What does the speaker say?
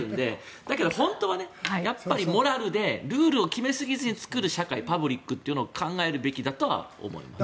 だけど本当はモラルでルールを決めすぎずに作る社会パブリックというのを考えるべきだと思います。